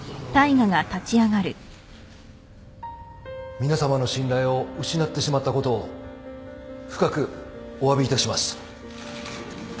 皆さまの信頼を失ってしまったことを深くおわびいたします。